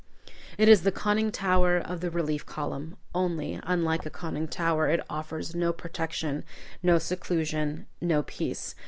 It is the conning tower of the relief column, only, unlike a conning tower, it offers no protection, no seclusion, no peace.